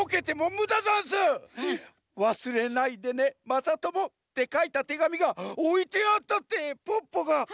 まさとも」ってかいたてがみがおいてあったってポッポが！